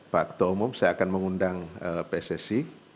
waktu umum saya akan mengundang pssc